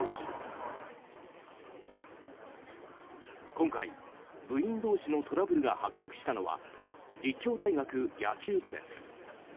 今回、部員同士のトラブルが発覚したのは立教大学野球部です。